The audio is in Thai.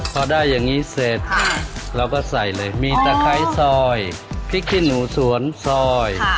พอได้อย่างนี้เสร็จเราก็ใส่เลยมีตะไคร้ซอยพริกขี้หนูสวนซอย